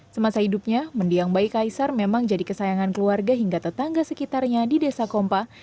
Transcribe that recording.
semasa hidupnya mendiang bayi kaisar memang jadi kesayangan keluarga hingga tetangga sekitarnya di desa kompa